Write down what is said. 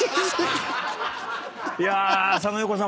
いや。